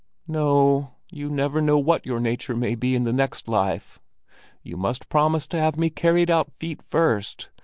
"No, you never know what your nature may be in the next life. You must promise to have me carried out feet first!